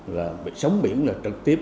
sống biển trực tiếp quy hiếp đến thân đê biển